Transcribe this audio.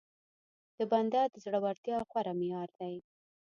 د بنده د زورورتيا غوره معيار دی.